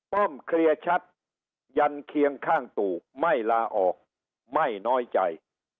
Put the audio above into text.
ป้อมเคลียร์ชัดยันเคียงข้างตู่ไม่ลาออกไม่น้อยใจ